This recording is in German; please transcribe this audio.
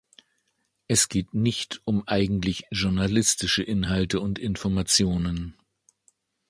Es geht nicht um eigentlich journalistische Inhalte und Informationen.